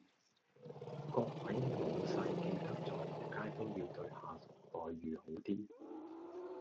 各位老細記得再仆街都要對下屬待遇好啲